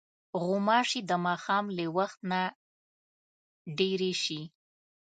غوماشې د ماښام له وخت نه ډېرې شي.